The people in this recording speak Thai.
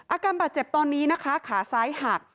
อาการบาดเจ็บตอนนี้นะคะขาซ้ายหัก